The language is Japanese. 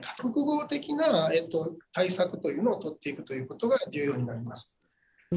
複合的な対策というのを取っていくということが重要になります。